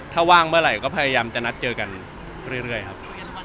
ถ้าว่างเมื่อไหร่ก็พยายามจะนัดเจอกันเรื่อยครับ